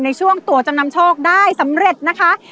ในช่วงตัวจำนำโชคได้สำเร็จนะคะ